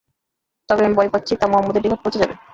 তবে আমি ভয় পাচ্ছি, তা মুহাম্মাদের নিকট পৌঁছে যাবে।